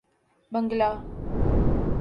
بنگلہ